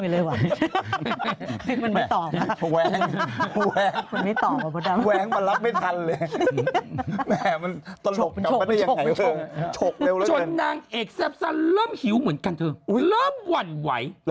แล้วไงแล้วไง